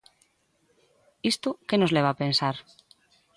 ¿Isto que nos leva a pensar?